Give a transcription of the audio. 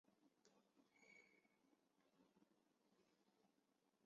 聚集在入口处